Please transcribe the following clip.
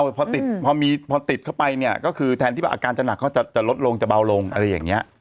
หนักเป็นเบาพอติดเข้าไปก็คือแทนที่อาการจะหนักเขาจะลดลงจะเบาลงอะไรอย่างนี้